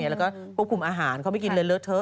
แล้วก็ควบคุมอาหารเขาไม่กินเลยเลอะเทอ